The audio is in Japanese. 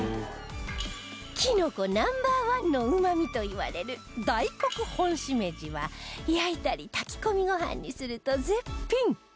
きのこナンバーワンのうまみといわれる大黒本しめじは焼いたり炊き込みご飯にすると絶品